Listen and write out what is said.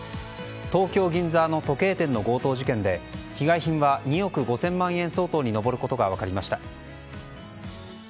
東京・銀座の時計店の強盗事件で被害額は２億５０００万円相当に上ることが分かりました。